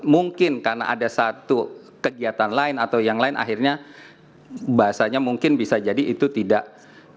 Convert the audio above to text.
mungkin karena ada satu kegiatan lain atau yang lain akhirnya bahasanya mungkin bisa jadi itu tidak bisa